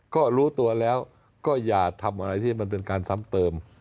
ก็รู้ตัวแล้วก็อย่าทำอะไรที่มันเป็นการซ้ำเติม